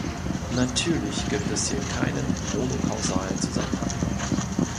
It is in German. Natürlich gibt es hier keinen monokausalen Zusammenhang.